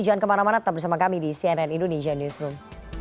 jangan kemana mana tetap bersama kami di cnn indonesia newsroom